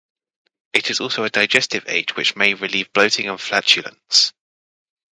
It is also a digestive aid which may relieve bloating and flatulence.